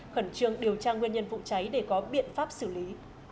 khẩn trương điều tra nguyên nhân vụ cháy để có biện pháp xử lý